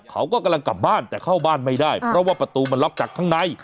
เขาก็กำลังกลับบ้านแต่เข้าบ้านไม่ได้เพราะว่าประตูมันล็อกจากข้างใน